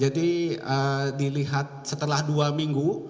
dilihat setelah dua minggu